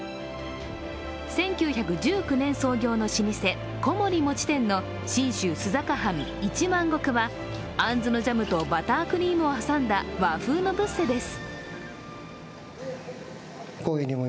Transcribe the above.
１９１９年創業の老舗、コモリ餅店の信州須坂藩一万石はあんずのジャムとバタークリームを挟んだ和風のブッセです。